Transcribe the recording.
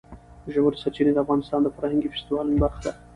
ژورې سرچینې د افغانستان د فرهنګي فستیوالونو برخه ده.